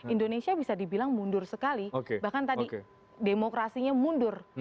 indonesia bisa dibilang mundur sekali bahkan tadi demokrasinya mundur